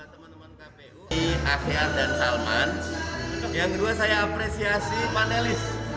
di akear dan salman yang kedua saya apresiasi panelis